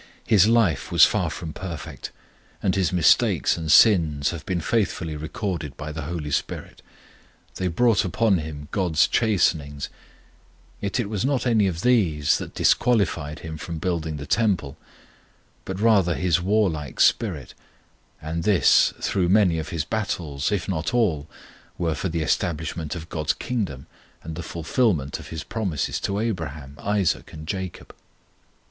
His life was far from perfect; and his mistakes and sins have been faithfully recorded by the HOLY SPIRIT. They brought upon him GOD'S chastenings, yet it was not any of these that disqualified him from building the Temple, but rather his warlike spirit; and this though many of his battles, if not all, were for the establishment of GOD'S Kingdom and the fulfilment of His promises to Abraham, Isaac, and Jacob.